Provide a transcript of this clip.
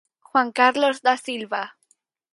Juan Carlos Dasilva.